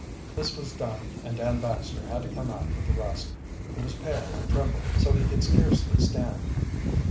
This was done, and Dan Baxter had to come out with the rest. He was pale and trembled so he could scarcely stand.